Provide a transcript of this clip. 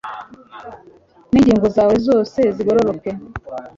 n'ingingo zawe zose zigororoke